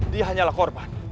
dia hanyalah korban